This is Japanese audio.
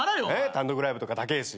単独ライブとか高えし。